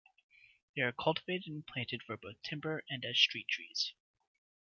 They are cultivated and planted for both timber and as street trees.